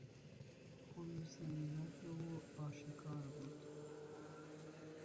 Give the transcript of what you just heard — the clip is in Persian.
خلوص نیت او آشکار بود.